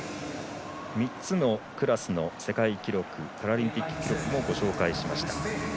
３つのクラスの世界記録パラリンピック記録もご紹介しました。